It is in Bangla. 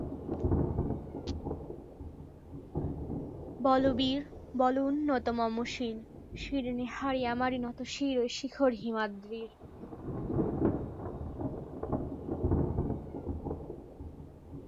তার ভাই আর্থার পেনরিন স্ট্যানলি এবং বোন মেরি স্ট্যানলি।